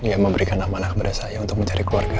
ya memberikan amanah kepada saya untuk mencari keluarga